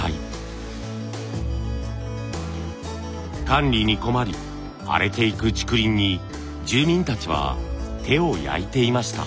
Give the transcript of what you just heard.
管理に困り荒れていく竹林に住民たちは手を焼いていました。